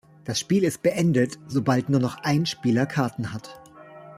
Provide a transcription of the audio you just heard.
Das Spiel ist beendet, sobald nur noch ein Spieler Karten hat.